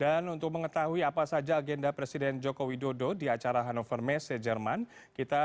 dan untuk mengetahui apa saja agenda presiden joko widodo di acara hannover messe jerman kita